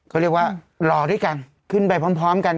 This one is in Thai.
เขาเรียกว่ารอด้วยกันขึ้นไปพร้อมกัน